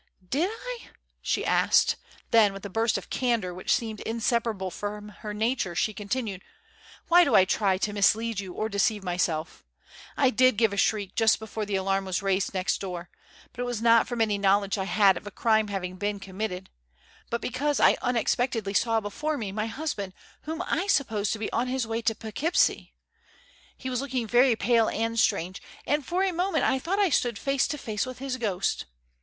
"Did I?" she asked; then with a burst of candour which seemed inseparable from her nature, she continued: "Why do I try to mislead you or deceive myself? I did give a shriek just before the alarm was raised next door; but it was not from any knowledge I had of a crime having been committed, but because I unexpectedly saw before me my husband whom I supposed to be on his way to Poughkeepsie. He was looking very pale and strange, and for a moment I thought I stood face to face with his ghost.